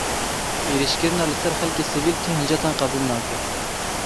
Êrişkirina li ser xelkê sivîl ti hincetan qebûl nake.